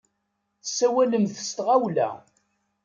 Tessawalemt s tɣawla.